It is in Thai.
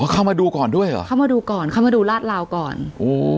เข้ามาดูก่อนด้วยเหรอเข้ามาดูก่อนเข้ามาดูลาดลาวก่อนโอ้